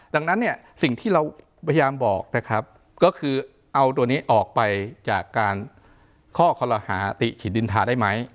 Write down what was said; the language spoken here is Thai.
ดังนั้นเนี่ยสิ่งที่เราพยายามบอกนะครับก็คือเอาตัวนี้ออกไปจากการข้อคอลหาติขินทาได้ไหม